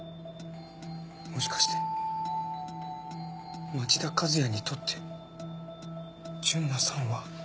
もしかして町田和也にとって純奈さんは。